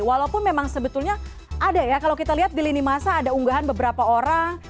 walaupun memang sebetulnya ada ya kalau kita lihat di lini masa ada unggahan beberapa orang